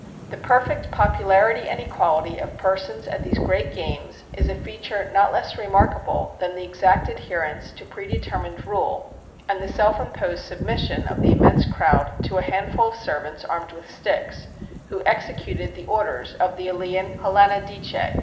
The perfect popularity and equality of persons at these great games, is a feature not less remarkable than the exact adherence to predetermined rule, and the self imposed submission of the immense crowd to a handful of servants armed with sticks, who executed the orders of the Elean Hellanodice.